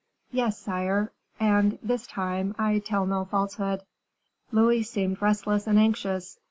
"Yes, sire, and, this time, I tell no falsehood." Louis seemed restless and anxious.